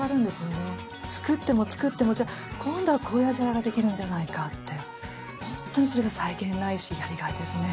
作っても作っても今度はこういう味わいができるんじゃないかってホントにそれが際限ないしやりがいですね。